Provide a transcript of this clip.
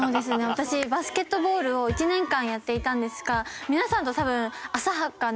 私バスケットボールを１年間やっていたんですが。